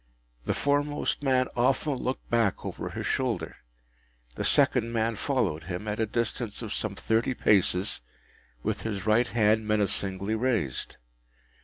The foremost man often looked back over his shoulder. The second man followed him, at a distance of some thirty paces, with his right hand menacingly raised.